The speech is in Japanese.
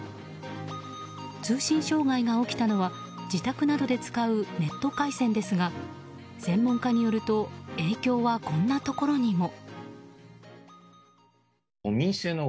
通信障害が起きたのは自宅などで使うネット回線ですが専門家によると影響はこんなところにも。